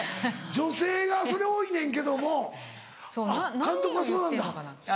女性がそれ多いねんけどもあっ監督がそうなんだ。